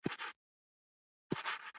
دجبار کاکا دزوى عمر سره په کوچينوالي کې تړلى.